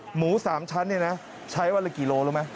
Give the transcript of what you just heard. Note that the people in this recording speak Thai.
หมู๓ชั้นใช้วันละกี่โลรู้ไหม